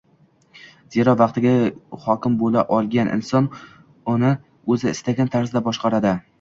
Zero, vaqtiga hokim bo‘la olgan inson uni o‘zi istagan tarzda boshqaradi.